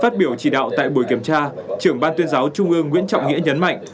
phát biểu chỉ đạo tại buổi kiểm tra trưởng ban tuyên giáo trung ương nguyễn trọng nghĩa nhấn mạnh